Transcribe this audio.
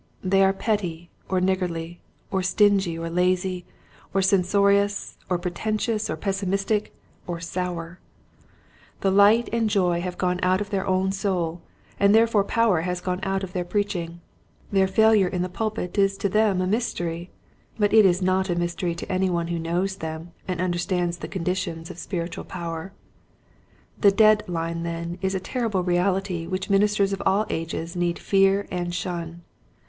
They are petty or niggardly or stingy or lazy or censorious or pretentious or pessimistic or sour. 212 Qidct Hints to Growing Preachers. The light and joy have gone out of their own soul and therefore power has gone out of their preaching. Their failure in the pulpit is to them a mystery, but it is not a mystery to any one who knows them and understands the conditions of spiritual power. The dead line then is a terrible reality which ministers of all ages need fear and shun.